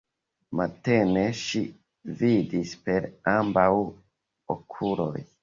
Matene ŝi vidis per ambaŭ okuloj.